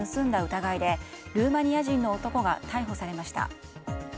疑いでルーマニア人の男が逮捕されました。